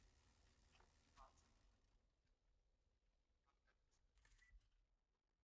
Bartzelonako Olinpiar Jokoetan trinketean parte hartu zuen.